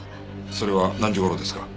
それは何時頃ですか？